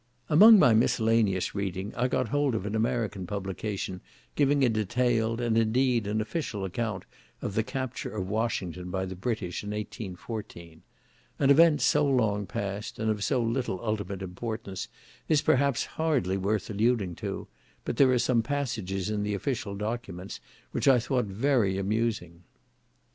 Among my miscellaneous reading, I got hold of an American publication giving a detailed, and, indeed, an official account of the capture of Washington by the British, in 1814. An event so long past, and of so little ultimate importance, is, perhaps, hardly worth alluding to; but there are some passages in the official documents which I thought very amusing.